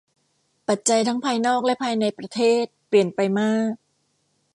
ปัจจัยทั้งภายนอกและภายในประเทศเปลี่ยนไปมาก